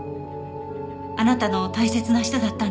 あなたの大切な人だったんですね